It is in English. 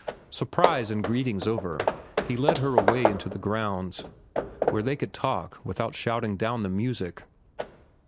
Surprise and greetings over, he led her away into the grounds, where they could talk without shouting down the music.